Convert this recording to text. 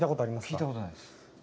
聞いたことないです。